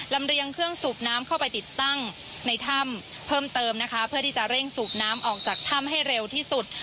เรียงเครื่องสูบน้ำเข้าไปติดตั้งในถ้ำเพิ่มเติมนะคะเพื่อที่จะเร่งสูบน้ำออกจากถ้ำให้เร็วที่สุด